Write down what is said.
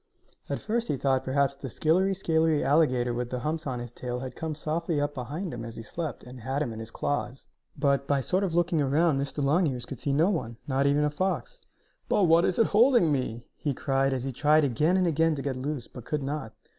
At first he thought perhaps the skillery scalery alligator with the humps on his tail had come softly up behind him as he slept and had him in his claws. But, by sort of looking around backward, Mr. Longears could see no one not even a fox. "But what is it holding me?" he cried, as he tried again and again to get loose, but could not.